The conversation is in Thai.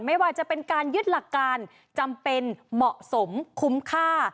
ไม่ว่าจะเป็นการยึดหลักการจำเป็นเหมาะสมคุ้มค่า